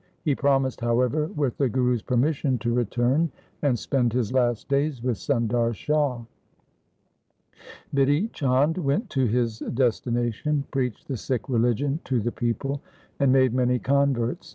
He promised, how ever, with the Guru's permission, to return and spend his last days with Sundar Shah. Bidhi Chand went to his destination, preached the Sikh religion to the people, and made many converts.